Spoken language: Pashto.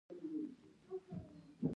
د کار موندنه د ځوانانو لپاره مهمه ده